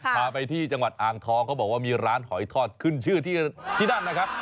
พาไปที่จังหวัดอ่างทองเขาบอกว่ามีร้านหอยทอดขึ้นชื่อที่นั่นนะครับ